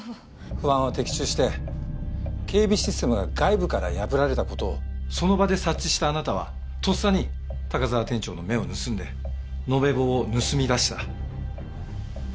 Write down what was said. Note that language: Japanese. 不安は的中して警備システムが外部から破られた事をその場で察知したあなたはとっさに高沢店長の目を盗んで延べ棒を盗み出した。